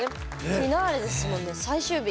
フィナーレですもんね最終日。